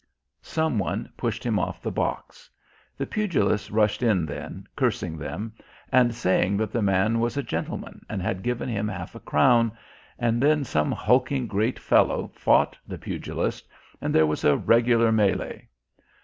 Some one pushed him off the box. The pugilist rushed in then, cursing them and saying that the man was a gentleman and had given him half a crown, and then some hulking great fellow fought the pugilist and there was a regular mêlée.